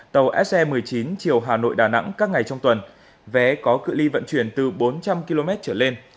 tàu se một mươi chín chiều hà nội đà nẵng các ngày trong tuần vé có cự li vận chuyển từ bốn trăm linh km trở lên